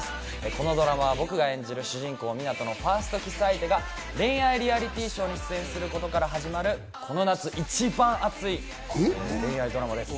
このドラマは僕が演じる主人公・湊人のファーストキス相手が恋愛リアリティーショーに出演することから始まる、この夏一番熱い恋愛ドラマです。